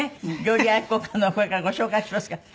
料理愛好家のこれからご紹介しますから。